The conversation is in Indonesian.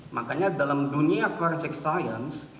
makanya dalam dunia forensik science